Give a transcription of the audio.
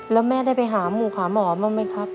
แล้วแม่ได้ไปหาหมู่หาหมอบ้างไหมครับ